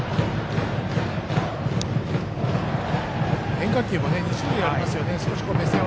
変化球２種類ありますよね。